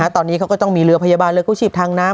ตอนนี้เขาก็ต้องมีเรือพยาบาลเรือกู้ชีพทางน้ำ